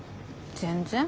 全然。